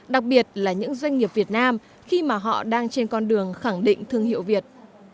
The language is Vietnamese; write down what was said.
đặc biệt là những doanh nghiệp việt nam khi mà họ đang trên con đường khẳng định thương hiệu việt